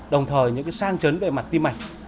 đồng thời những sang chấn về mặt tim mạch